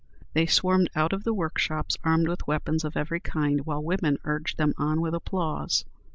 They swarmed out of the workshops armed with weapons of every kind, while women urged them on with applause.